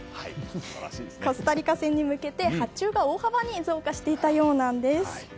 コスタリカ戦に向けて発注が大幅に増加していたようなんです。